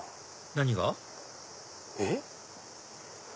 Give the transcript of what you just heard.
何が？えっ？